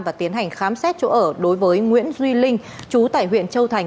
và tiến hành khám xét chỗ ở đối với nguyễn duy linh chú tại huyện châu thành